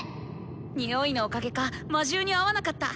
ニオイのおかげか魔獣にあわなかった。